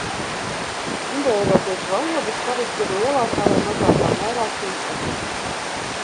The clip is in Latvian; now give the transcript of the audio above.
Indoeiropiešu valodas parasti ir lielākā vai mazākā mērā sintētiskas.